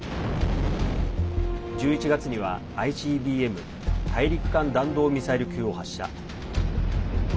１１月にはＩＣＢＭ＝大陸間弾道ミサイル級を発射。